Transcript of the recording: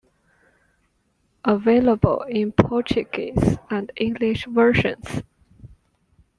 Available in Portuguese and English versions.